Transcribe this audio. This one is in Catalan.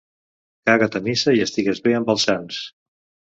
Caga't a missa i estigues bé amb els sants.